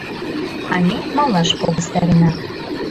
А ме малаш погыстарена.